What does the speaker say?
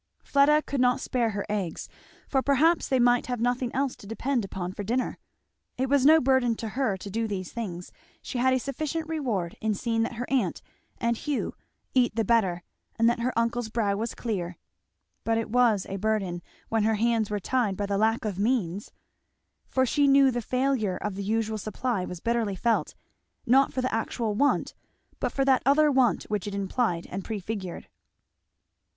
Fleda could not spare her eggs, for perhaps they might have nothing else to depend upon for dinner. It was no burden to her to do these things; she had a sufficient reward in seeing that her aunt and Hugh eat the better and that her uncle's brow was clear; but it was a burden when her hands were tied by the lack of means; for she knew the failure of the usual supply was bitterly felt, not for the actual want, but for that other want which it implied and prefigured.